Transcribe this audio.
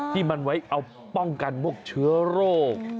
ที่มันไว้เอาป้องกันพวกเชื้อโรค